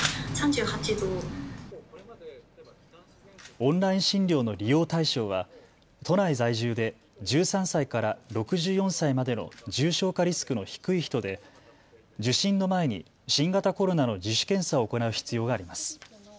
オンライン診療の利用対象は都内在住で１３歳から６４歳までの重症化リスクの低い人で受診の前に新型コロナの自主検査を行う必要があります。